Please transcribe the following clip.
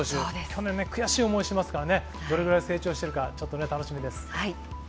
去年悔しい思いをしてますから、どれぐらい成長しているか、楽しみです。